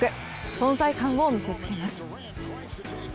存在感を見せつけます。